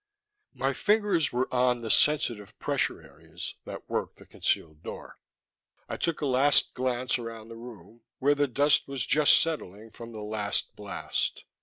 My fingers were on the sensitive pressure areas that worked the concealed door. I took a last glance around the room, where the dust was just settling from the last blast.